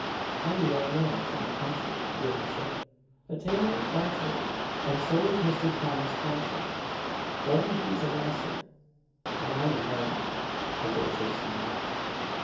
I'm a young man from the country, your worship; a tailor by trade; and so is Mr. Thomas Thompson only he's a master, and I'm a man! (His worship smiled.)